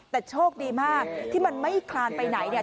แต่โชคดีมากที่มันไม่คลานไปไหนเนี่ย